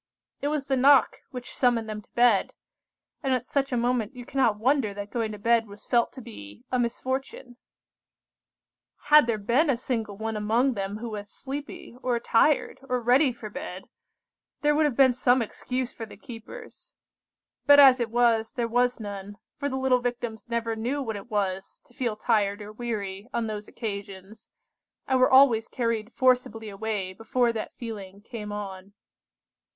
It was the knock which summoned them to bed; and at such a moment you cannot wonder that going to bed was felt to be a misfortune. "Had there been a single one among them who was sleepy, or tired, or ready for bed, there would have been some excuse for the keepers; but as it was, there was none, for the little Victims never knew what it was to feel tired or weary on those occasions, and were always carried forcibly away before that feeling came on.